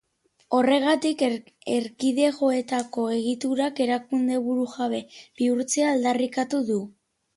Horregatik, erkidegoetako egiturak erakunde burujabe bihurtzea aldarrikatu du.